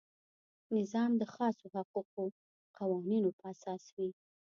نظام د خاصو حقوقي قوانینو په اساس وي.